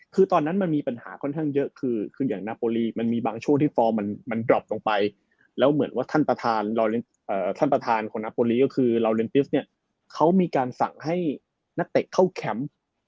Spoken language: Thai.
คือตอนนั้นมันมีปัญหาค่อนข้างเยอะคืออย่างนาโปรลีมันมีบางช่วงที่ฟอร์มมันดรอปลงไปแล้วเหมือนว่าท่านประธานท่านประธานของนาโปรลีก็คือลาวเลนติสเนี่ยเขามีการสั่งให้นักเตะเข้าแคมป์